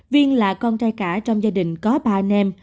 viên là con trai cả trong gia đình có ba nêm